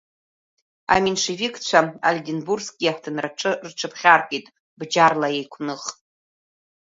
Аменшевикцәа Ольденбургскьи иаҳҭынраҿы рҽыԥхьаркит, бџьарла еиқәных.